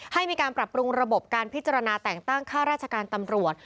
ให้มีการปรับปรุงระบบการพิจารณาแต่งตั้งค่าราชการตำรวจ